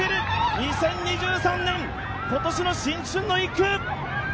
２０２３年、今年の新春の１区。